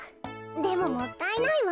でももったいないわ。